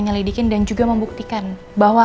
menyelidikin dan juga membuktikan bahwa